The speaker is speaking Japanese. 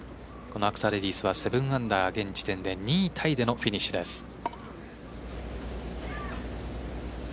このアクサレディスは７アンダー現時点で２位タイでのフィニッシュです。